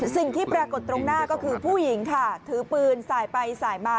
สิ่งที่ปรากฏตรงหน้าก็คือผู้หญิงค่ะถือปืนสายไปสายมา